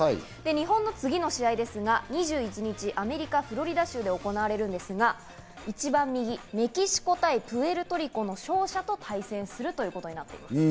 日本の次の試合ですが２１日、アメリカ・フロリダ州で行われるんですが、一番右、メキシコ対プエルトリコの勝者と対戦するということになっています。